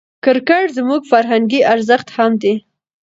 کرکټ زموږ فرهنګي ارزښت هم دئ.